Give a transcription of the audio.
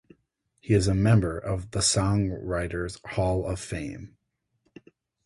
He is a member of the Songwriters Hall of Fame.